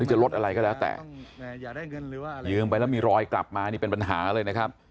จะลดอะไรก็แล้วแต่ยืมไปแล้วมีรอยกลับมานี่เป็นปัญหาเลยนะครับ